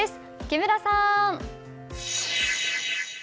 木村さん。